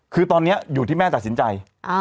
คือตอนนี้อยู่ที่แม่ตัดสินใจ